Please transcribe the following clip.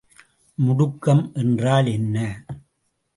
முடுக்கம் என்றால் என்ன?